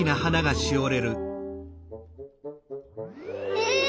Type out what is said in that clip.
え！